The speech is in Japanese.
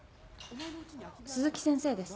鈴木先生です。